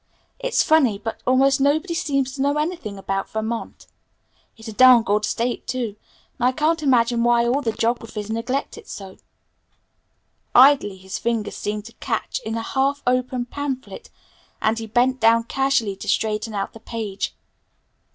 "It's funny, but almost nobody seems to know anything about Vermont. It's a darned good state, too, and I can't imagine why all the geographies neglect it so." Idly his finger seemed to catch in a half open pamphlet, and he bent down casually to straighten out the page.